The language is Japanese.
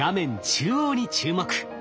中央に注目。